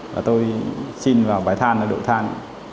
và tôi xin vào bài than ở đội than